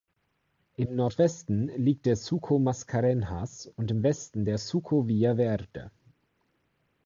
Im Nordwesten liegt der Suco Mascarenhas und im Westen der Suco Vila Verde.